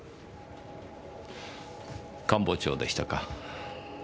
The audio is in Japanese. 官房長でしたか。